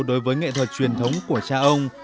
đối với nghệ thuật truyền thống của cha ông